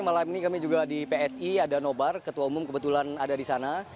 malam ini kami juga di psi ada nobar ketua umum kebetulan ada di sana